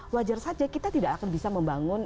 wajar saja kita tidak akan bisa membangun